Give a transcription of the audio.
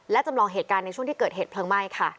และจำลองเหตุการณ์ในช่วงที่เกิดเหตุเพลิงไหม้ค่ะ